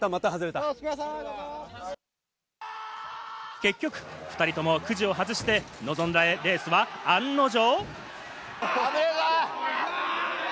結局、２人ともくじを外して臨んだレースは案の定。